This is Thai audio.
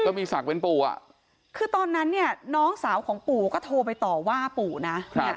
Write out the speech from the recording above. มีศักดิ์เป็นปู่อ่ะคือตอนนั้นเนี่ยน้องสาวของปู่ก็โทรไปต่อว่าปู่นะ